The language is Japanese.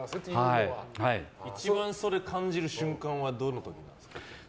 一番それ感じる瞬間はどんな時ですか？